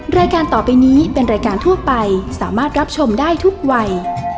รายการต่อไปนี้เป็นรายการทั่วไปสามารถรับชมได้ทุกวัย